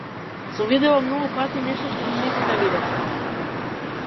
Сум видела многу пати нешто што никој не видел.